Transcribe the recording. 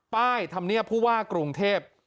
ป้ายธรรมเนี่ยผู้ว่ากรุงเทพ